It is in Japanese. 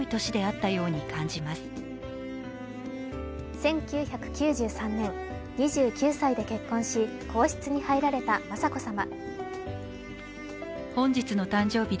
１９９３年、２９歳で結婚し皇室に入られた雅子さま。